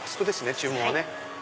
注文はね。